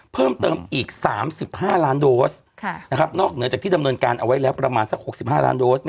เพิ่มเติมอีก๓๕ล้านโดสนอกเหนือจากที่ดำเนินการเอาไว้แล้วประมาณสัก๖๕ล้านโดส